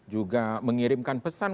juga mengirimkan pesan